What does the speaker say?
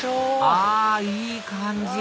あいい感じ